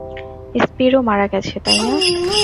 Spiro মারা গেছে, তাই না?